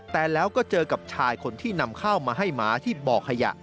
แต่แล้วก็เจอกับชายคนที่นำข้าวมาให้หมาที่บ่อขยะ